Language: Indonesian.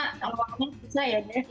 kalau waktu itu bisa ya dev